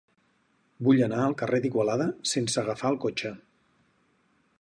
Vull anar al carrer d'Igualada sense agafar el cotxe.